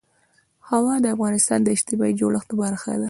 هوا د افغانستان د اجتماعي جوړښت برخه ده.